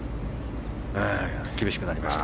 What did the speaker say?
厳しくなりました。